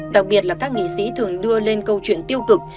đặc biệt là các nghị sĩ thường đưa lên câu chuyện tiêu cực